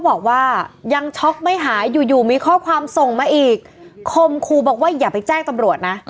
บอกว่ายังช็อกไม่หายอยู่อยู่มีข้อความส่งมาอีกคมครูบอกว่าอย่าไปแจ้งตำรวจนะ